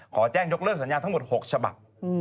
ขอแจ้งยกเลิกสัญญาทั้งหมด๖ฉบับ